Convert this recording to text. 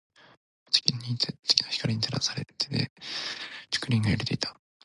月の光に照らされ、竹林が揺れていた。